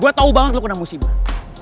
gue tau banget lo kena musibah